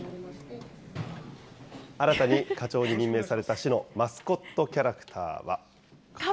新たに課長に任命された市のマスコットキャラクターは。